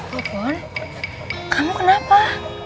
popon kamu kenapa